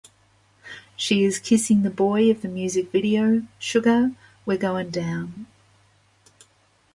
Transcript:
She is kissing the boy of the music video "Sugar, We're Goin Down".